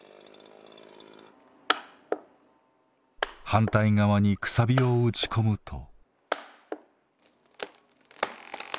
反対側にくさびを打ち込むと。